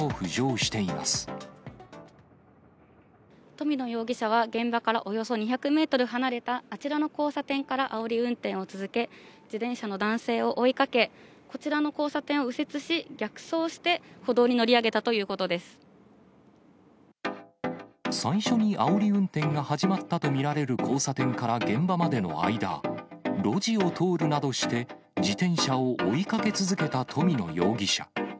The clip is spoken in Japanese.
富野容疑者は、現場からおよそ２００メートル離れたあちらの交差点から、あおり運転を続け、自転車の男性を追いかけ、こちらの交差点を右折し、逆走して、歩道に乗り上げたということ最初にあおり運転が始まったと見られる交差点から現場までの間、路地を通るなどして、自転車を追いかけ続けた富野容疑者。